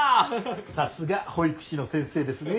さすが保育士の先生ですね。